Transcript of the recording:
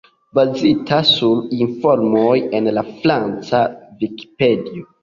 Bazita sur informoj en la franca Vikipedio.